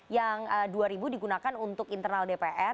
yang dua ribu digunakan untuk internal dpr